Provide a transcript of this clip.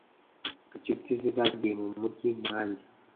Inshuti ze zagiye mu mujyi nanjye.